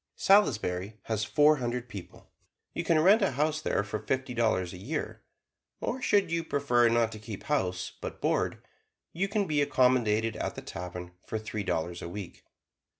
Salisbury has four hundred people. You can rent a house there for fifty dollars a year, or should you prefer not to keep house, but board, you can be accommodated at the tavern for three dollars a week.